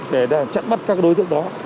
để chặn mắt các đối tượng đó